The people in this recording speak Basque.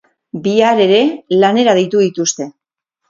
Bihar ere lanera deitu dituzte.